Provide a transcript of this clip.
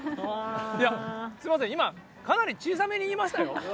すみません、今、かなり小さめに言いましたよ。